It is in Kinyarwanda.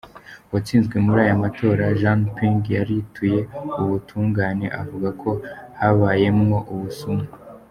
Uwatsinzwe muri ayo matora, Jean Ping, yarituye ubutungane, avuga ko habayemwo ubusuma.